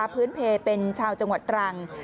พื้นเพลเป็นชาวจังหวัดตรัง